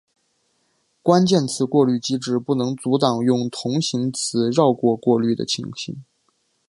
关键词过滤机制不能阻挡用同形词绕过过滤的情形。